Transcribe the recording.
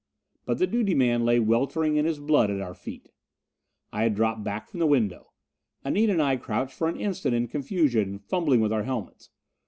But the duty man lay weltering in his blood at our feet. I had dropped back from the window. Anita and I crouched for an instant in confusion, fumbling with our helmets.